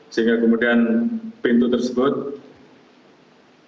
sehingga kemudian pintu tersebut tentunya bisa dilakukan upaya